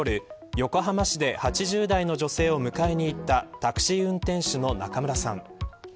横浜市で８０代の女性を迎えに行ったタクシー運転手の中村さん。